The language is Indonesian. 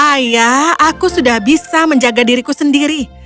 ayah aku sudah bisa menjaga diriku sendiri